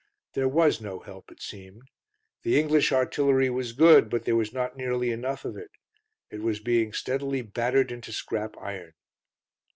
There was no help, it seemed. The English artillery was good, but there was not nearly enough of it; it was being steadily battered into scrap iron.